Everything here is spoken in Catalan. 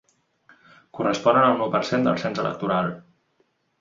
Corresponen a un u per cent del cens electoral.